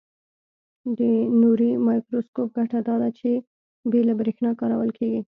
د نوري مایکروسکوپ ګټه داده چې بې له برېښنا کارول کیږي.